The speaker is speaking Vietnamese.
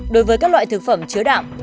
đối với các loại thực phẩm chứa đạm